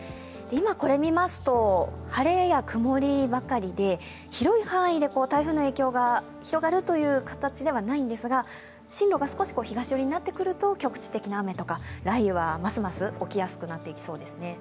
今、これを見ますと、晴れや曇りばかりで広い範囲で台風の影響が広がるという形ではないんですが、進路が少し東寄りになってくると局地的な雨とか雷雨はますます起きやすくなっていきそうですね。